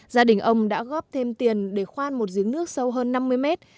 gia đình ông đã góp thêm tiền để khoan một giếng nước sâu hơn năm mươi mét